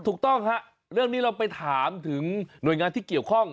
ถูกต้องฮะเรื่องนี้เราไปถามถึงหน่วยงานที่เกี่ยวข้อง